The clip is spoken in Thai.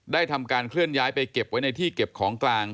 ทำการเคลื่อนย้ายไปเก็บไว้ในที่เก็บของกลาง